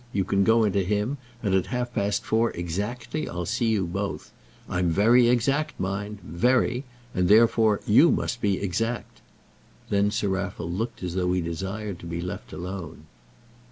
You can go in to him, and at half past four exactly I'll see you both. I'm very exact, mind, very; and therefore you must be exact." Then Sir Raffle looked as though he desired to be left alone.